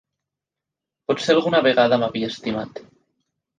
Potser alguna vegada m'havia estimat.